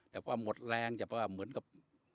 แต่ว่าหมดแรงจะว่าเหมือนกับ